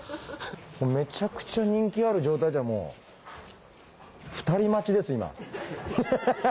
めちゃくちゃ人気ある状態じゃん２人待ちです今ハハハ！